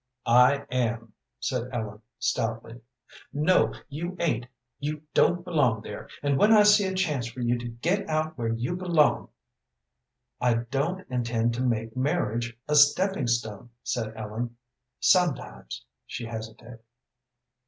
"I am," said Ellen, stoutly. "No, you ain't; you don't belong there, and when I see a chance for you to get out where you belong " "I don't intend to make marriage a stepping stone," said Ellen. "Sometimes " She hesitated.